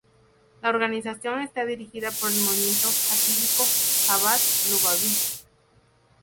La organización está dirigida por el movimiento jasídico Jabad Lubavitch.